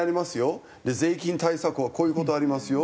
税金対策はこういう事ありますよ。